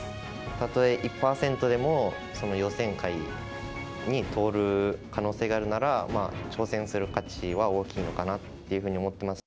たとえ１％でも、その予選会に通る可能性があるなら、挑戦する価値は大きいのかなっていうふうに思っています。